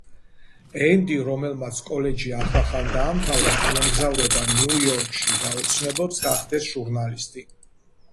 ენდი, რომელმაც კოლეჯი ახლახან დაამთავრა, მიემგზავრება ნიუ-იორკში და ოცნებობს გახდეს ჟურნალისტი.